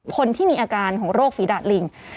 คนที่มีอาการของโรคฝีดาดลิง